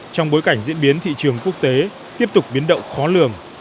trong bối cảnh diễn biến thị trường quốc tế tiếp tục biến động khó lường